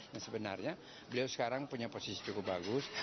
nah sebenarnya beliau sekarang punya posisi cukup bagus